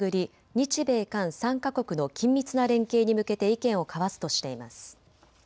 日米韓３か国の緊密な連携に向けて意見を交わすとしています。